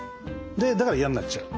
だから嫌になっちゃう。